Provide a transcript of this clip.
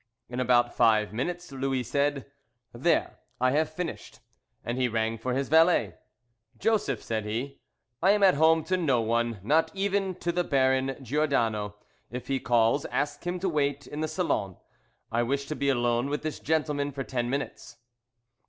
In about five minutes Louis said, "There, I have finished." And he rang for his valet. "Joseph," said he, "I am at home to no one, not even to the Baron Giordano. If he calls, ask him to wait in the salon. I wish to be alone with this gentlemen for ten minutes."